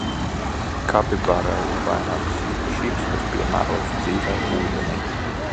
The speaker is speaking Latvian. Kapibarai ir vairākas īpašības, kas piemērotas dzīvei ūdenī.